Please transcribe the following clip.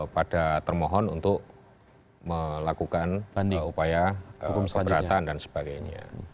pada termohon untuk melakukan upaya keberatan dan sebagainya